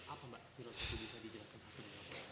apa mbak filosofi bisa dijelaskan